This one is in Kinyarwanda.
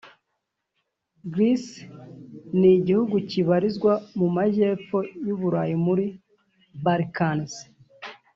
Greece n’ igihugu kibarizwa mu majyepfo y’ uburayi muri Balkans